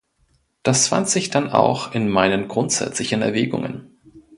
Das fand sich dann auch in meinen grundsätzlichen Erwägungen.